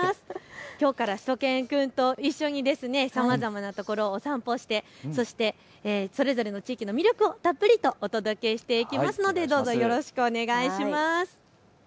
きょうからしゅと犬くんと一緒にさまざまなところをお散歩してそれぞれの地域の魅力をたっぷりとお届けしていきますのでどうぞよろしくお願いします。